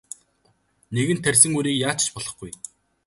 Нэгэнт тарьсан үрийг яаж ч болохгүй.